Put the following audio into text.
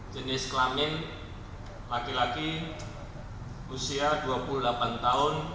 jenis kelamin laki laki usia dua puluh delapan tahun